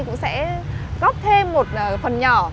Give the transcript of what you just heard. cũng sẽ góp thêm một phần nhỏ